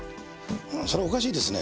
それはおかしいですね。